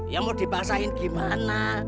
ya mau dipaksain gimana